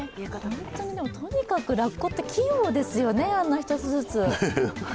とにかくラッコって器用ですよね、あんな一つずつ。